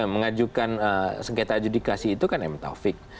mengajukan sengketa adjudikasi itu kan m taufik